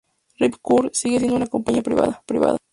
Rip Curl sigue siendo una compañía privada.